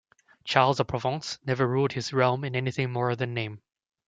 Charles of Provence never ruled his realm in anything more than name.